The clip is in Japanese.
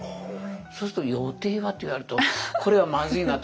そうすると「予定は？」って言われるとこれはまずいなと。